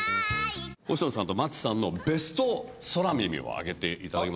星野さんと松さんのベスト空耳を挙げていただけますでしょうか。